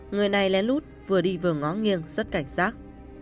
người này lén lút vừa đi vừa ngó nghiêng rất cảnh giác